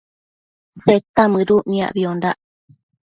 Seta mëduc niacbiondac